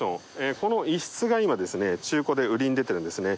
この一室が今中古で売りに出てるんですね。